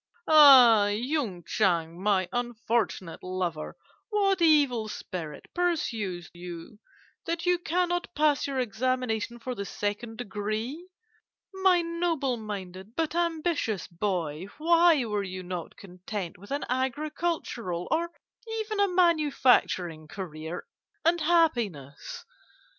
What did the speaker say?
Ah, Yung Chang, my unfortunate lover! what evil spirit pursues you that you cannot pass your examination for the second degree? My noble minded but ambitious boy, why were you not content with an agricultural or even a manufacturing career and happiness?